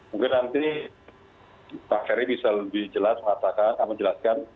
mungkin nanti pak ferry bisa lebih jelas menjelaskan